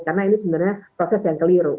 karena ini sebenarnya proses yang keliru